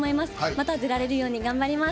また出られるように頑張ります。